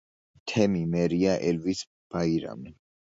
თემი მერია ელვის ბაირამი.